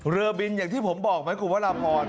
เรือบินอย่างที่ผมบอกไหมคุณพระราพร